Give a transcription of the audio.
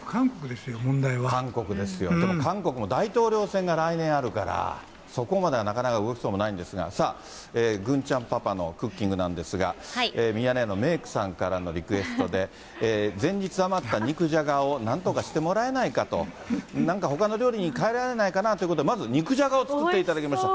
韓国ですよ、でも韓国も大統領選が来年あるから、そこまではなかなか動きそうもないんですが、さあ、ぐんちゃんパパのクッキングなんですが、ミヤネ屋のメークさんからのリクエストで、前日余った肉じゃがをなんとかしてもらえないかと、なんかほかの料理に変えられないかなということで、まず肉じゃがを作っていただきました。